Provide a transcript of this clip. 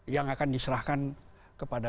yang akan diserahkan kepada